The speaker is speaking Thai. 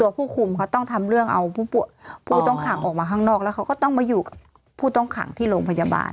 ผู้คุมเขาต้องทำเรื่องเอาผู้ต้องขังออกมาข้างนอกแล้วเขาก็ต้องมาอยู่กับผู้ต้องขังที่โรงพยาบาล